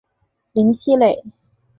林熙蕾。